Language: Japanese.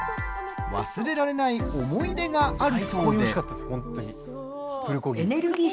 忘れられない思い出があるそうで。